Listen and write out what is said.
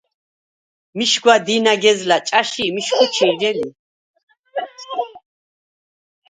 მიშგვა დი̄ნაგეზლა̈ ჭა̈ში მიშგუ ჩი̄ჟე ლი.